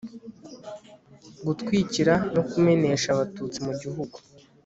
gutwikira no kumenesha abatutsi mu gihugu